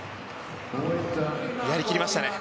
やりきりましたね。